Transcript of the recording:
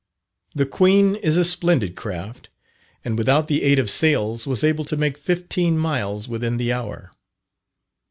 The "Queen" is a splendid craft, and without the aid of sails, was able to make fifteen miles within the hour.